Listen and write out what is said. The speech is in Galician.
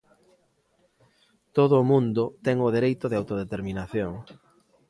Todo o mundo ten o dereito de autodeterminación.